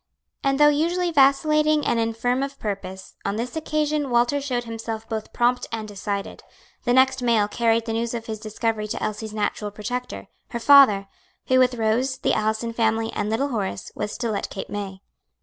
And though usually vacillating and infirm of purpose, on this occasion Walter showed himself both prompt and decided. The next mail carried the news of his discovery to Elsie's natural protector, her father, who with Rose, the Allison family, and little Horace, was still at Cape May.